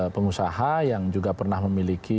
pengusaha yang juga pernah memiliki